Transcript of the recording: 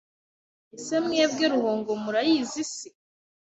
ese Mwebwe Ruhongo murayizi se